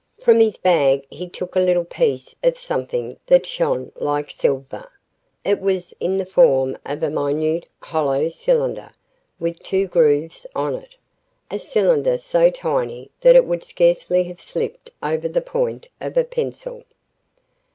From his bag he took a little piece of something that shone like silver. It was in the form of a minute, hollow cylinder, with two grooves on it, a cylinder so tiny that it would scarcely have slipped over the point of a pencil.